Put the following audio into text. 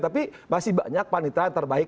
tapi masih banyak panitra terbaik